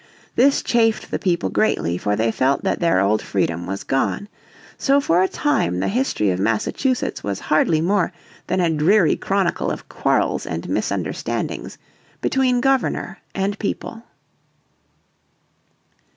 This chafed the people greatly, for they felt that their old freedom was gone. So for a time the history of Massachusetts was hardly more than a dreary chronicle of quarrels and misunderstandings between Governor and people.